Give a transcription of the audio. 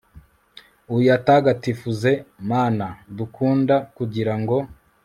uyatagatifuze, mana dukunda, kugira ngo